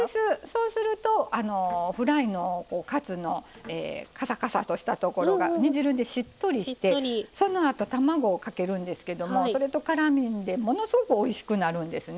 そうするとフライのカツのカサカサとしたところが煮汁でしっとりしてそのあと卵をかけるんですけどもそれとからんでものすごくおいしくなるんですね。